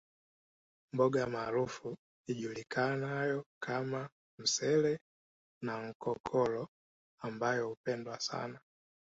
Mboga maarufu ijulikanayo kama msele na nkokoro ambayo hupendwa sana